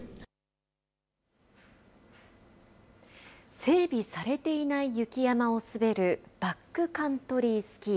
整備されていない雪山を滑るバックカントリースキー。